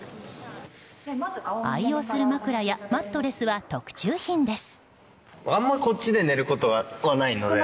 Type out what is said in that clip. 愛用する枕やマットレスは特注品です。